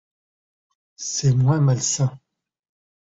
C’est moins malsain.